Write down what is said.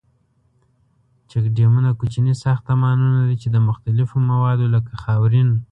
چیک ډیمونه کوچني ساختمانونه دي ،چې د مختلفو موادو لکه خاورین.